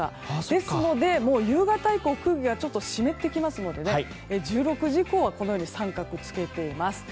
ですので夕方以降は空気がちょっと湿ってきますので１６時以降は△をつけています。